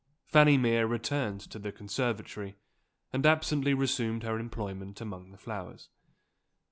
Fanny Mere returned to the conservatory, and absently resumed her employment among the flowers.